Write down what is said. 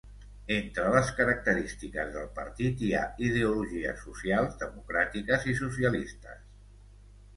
Entre les característiques del partit, hi ha ideologies socials democràtiques i socialistes.